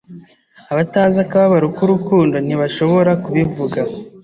Abatazi akababaro k'urukundo ntibashobora kubivuga.